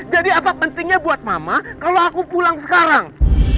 jadi apa pentingnya buat mama kalau aku pulang sekarang